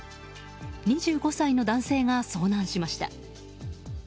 ２５歳の男性が遭難しました。